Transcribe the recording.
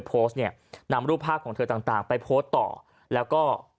โพสต์เนี่ยนำรูปภาพของเธอต่างต่างไปโพสต์ต่อแล้วก็